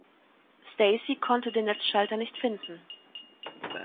Stacey konnte den Netzschalter nicht finden.